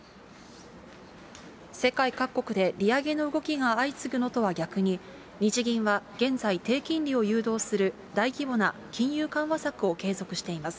世界各国で利上げの動きが相次ぐのとは逆に、日銀は現在、低金利を誘導する大規模な金融緩和策を継続しています。